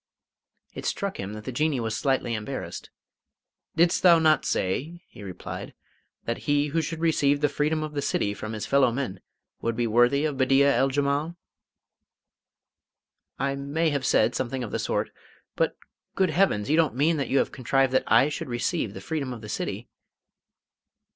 It struck him that the Jinnee was slightly embarrassed. "Didst thou not say," he replied, "that he who should receive the freedom of the City from his fellow men would be worthy of Bedeea el Jemal?" "I may have said something of the sort. But, good heavens! you don't mean that you have contrived that I should receive the freedom of the City?"